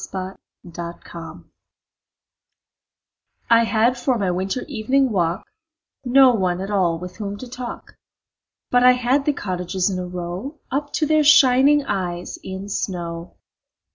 Good Hours I HAD for my winter evening walk No one at all with whom to talk, But I had the cottages in a row Up to their shining eyes in snow.